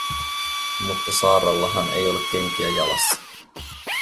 Mutta Saarallahan ei ole kenkiä jalassa.